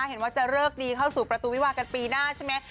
เห็นว่าจะเลิกดีเข้าสู่ประตูวิวากันปีหน้าใช่ไหม